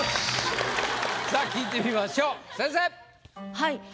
はい。